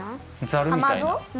ザルみたいな。